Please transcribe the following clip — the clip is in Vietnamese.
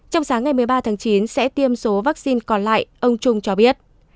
trong sáng ngày một mươi ba tháng chín sẽ tiêm số vaccine còn lại ông trung cho biết